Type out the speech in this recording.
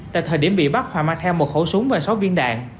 tại thời điểm bị bắt hòa mang theo một khẩu súng và sáu viên đạn